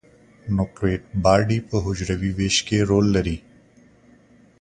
نوکلوئید باډي په حجروي ویش کې رول لري.